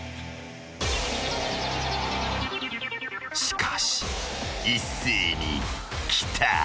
［しかし一斉に来た］